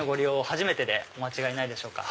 初めてでお間違えないでしょうか？